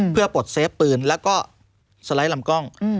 เพื่อปลดเซฟปืนแล้วก็สไลด์ลำกล้อง